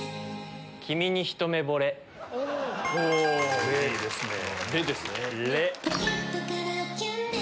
おいいですね。あ！